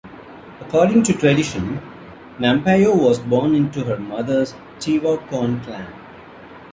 According to tradition, Nampeyo was born into her mother's Tewa Corn clan.